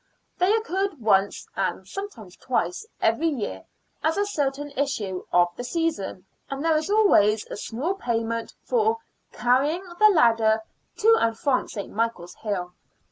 They occurred once (and sometimes twice) every year as a certain issue of the sessions, and there was always a small payment for 10 SIXTEENTH CENTURY BRISTOL. " carrying the ladder to and from St. Michael's Hill."